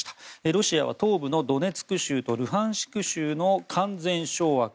ロシアは東部のドネツク州とルハンシク州の完全掌握